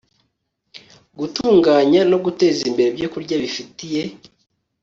gutunganya no guteza imbere ibyokurya bifitiye